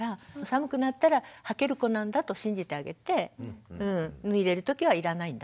寒くなったらはける子なんだと信じてあげて脱いでる時はいらないんだなと。